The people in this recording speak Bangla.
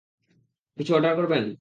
কিছু অর্ডার করবেন?